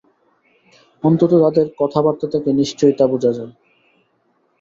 অন্তত তাদের কথাবার্তা থেকে নিশ্চয়ই তা বোঝা যায়।